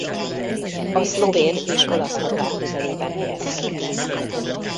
A szlovén és olasz határ közelében helyezkedik.